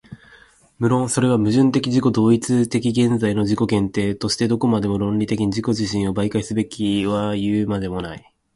無論それは矛盾的自己同一的現在の自己限定としてどこまでも論理的に自己自身を媒介すべきはいうまでもない。